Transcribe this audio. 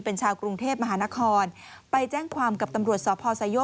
เป็นชาวกรุงเทพมหานครไปแจ้งความกับตำรวจสพไซโยก